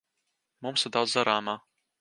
Mums ir daudz darāmā.